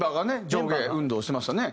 上下運動してましたね。